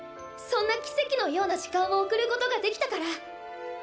そんな奇跡のような時間を送ることができたから。